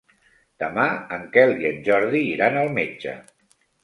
Demà en Quel i en Jordi iran al metge.